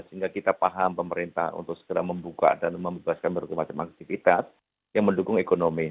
sehingga kita paham pemerintah untuk segera membuka dan membebaskan berbagai macam aktivitas yang mendukung ekonomi